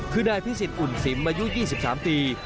คือนายพิสิทธิอุ่นสิมอายุ๒๓ปี